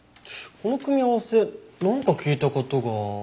この組み合わせなんか聞いた事が。